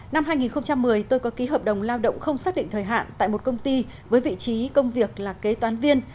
năm hai nghìn một mươi tôi có ký hợp đồng lao động không xác định thời hạn tại một công ty với vị trí công việc là kế toán viên